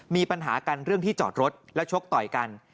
มีปัญหากันเรื่องที่จอดรถแล้วชกต่อยกัน